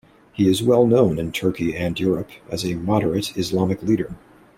He is well known in Turkey and Europe as a moderate Islamic leader.